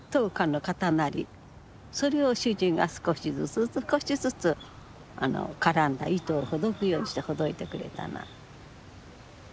それを主人が少しずつ少しずつ絡んだ糸をほどくようにしてほどいてくれたの。